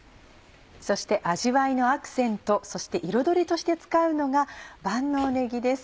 そして味わいのアクセントそして彩りとして使うのが万能ねぎです。